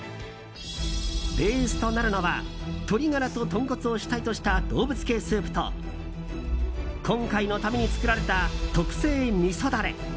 ベースとなるのは鶏ガラと豚骨を主体とした動物系スープと今回のために作られた特製みそダレ。